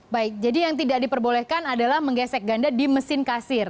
baik jadi yang tidak diperbolehkan adalah menggesek ganda di mesin kasir